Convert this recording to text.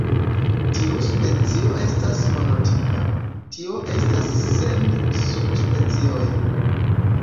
Tiu specio estas monotipa, tio estas sen subspecioj.